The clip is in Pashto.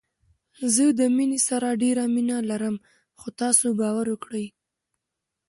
زه د مينې سره ډېره مينه لرم خو تاسو باور وکړئ